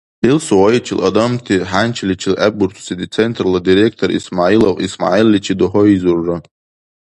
Ил суайчил адамти хӀянчиличил гӀеббурцуси Центрла директор ИсмягӀилов ИсмягӀилличи дугьайзурра.